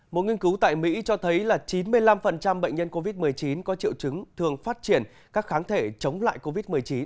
một nghiên cứu tại mỹ cho thấy là chín mươi năm bệnh nhân covid một mươi chín có triệu chứng thường phát triển các kháng thể chống lại covid một mươi chín